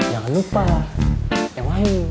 jangan lupa ya wany